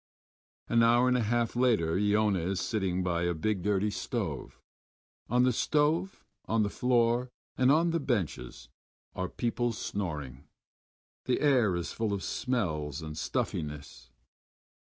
An hour and a half later Iona is sitting by a big dirty stove. On the stove, on the floor, and on the benches are people snoring. The air is full of smells and stuffiness.